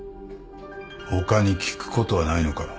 他に聞くことはないのか？